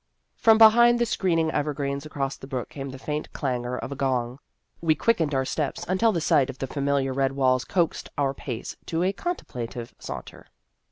From behind the screening evergreens across the brook came the faint clangor of a gong. We quickened our steps until the sight of the familiar red walls coaxed our pace to a contemplative saunter.